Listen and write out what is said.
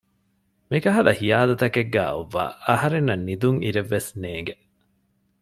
މިކަހަލަ ހިޔާލު ތަކެއްގައި އޮއްވައި އަހަރެންނަށް ނިދުން އިރެއްވެސް ނޭންގެ